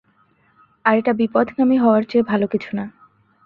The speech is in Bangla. আর এটা বিপথগামী হওয়ার চেয়ে ভালো কিছু না।